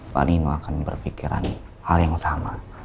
pak nino akan berpikiran hal yang sama